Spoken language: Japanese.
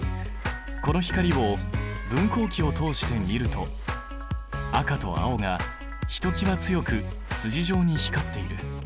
この光を分光器を通して見ると赤と青がひときわ強く筋状に光っている。